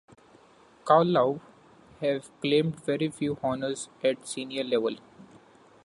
Carlow have claimed very few honours at senior level.